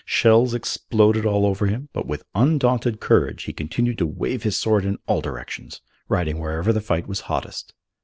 Shells exploded all over him; but with undaunted courage he continued to wave his sword in all directions, riding wherever the fight was hottest.